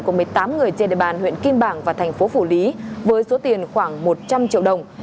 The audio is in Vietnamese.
của một mươi tám người trên địa bàn huyện kim bảng và thành phố phủ lý với số tiền khoảng một trăm linh triệu đồng